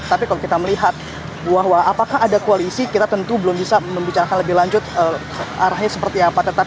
tapi kalau kita melihat bahwa apakah ada koalisi kita tentu belum bisa membicarakan lebih lanjut arahnya seperti apa